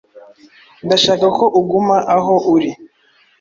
Ndashaka ko uguma aho uri.